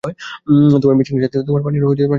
তোমার মেশিনের সাথে তুমিও পানির নিচে ডুবে মারা গেছ।